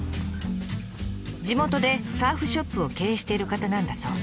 地元でサーフショップを経営してる方なんだそう。